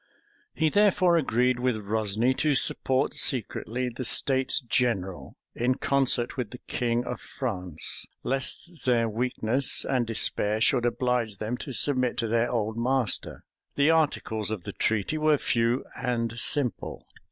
He therefore agreed with Rosni to support secretly the states general, in concert with the king of France; lest their weakness and despair should oblige them to submit to their old master. The articles of the treaty were few and simple.